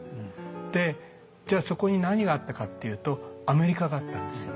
でじゃあそこに何があったかっていうとアメリカがあったんですよ。